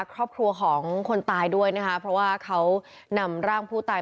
ครอบครัวของคนตายด้วยนะคะเพราะว่าเขานำร่างผู้ตาย